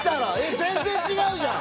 全然違うじゃん！